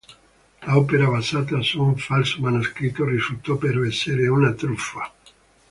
L'opera, basata su un falso manoscritto, risultò però essere una truffa.